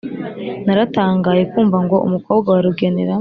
naratangaye kumva ngo umukobwa wa rugenera